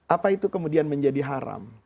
apa itu kemudian menjadi haram